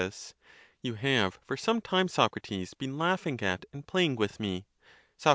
You have for some time, Socrates, been laughing at and playing with me. Soc.